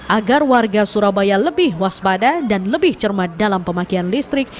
agar warga surabaya lebih waspada dan lebih cermat dalam pemakaian listrik